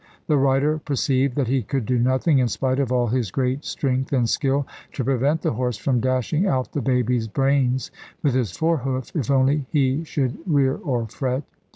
The rider perceived that he could do nothing, in spite of all his great strength and skill, to prevent the horse from dashing out the baby's brains with his fore hoof, if only he should rear or fret.